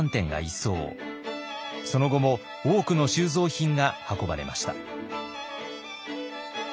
その後も多くの収蔵品が運ばれました。